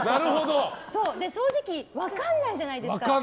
正直、分からないじゃないですか